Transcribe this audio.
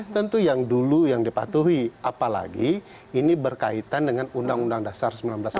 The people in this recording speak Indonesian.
tentu yang dulu yang dipatuhi apalagi ini berkaitan dengan undang undang dasar seribu sembilan ratus empat puluh